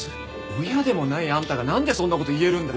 親でもないあんたがなんでそんな事言えるんだ？